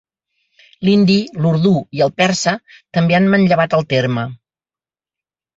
L'hindi, l'urdú i el persa també han manllevat el terme.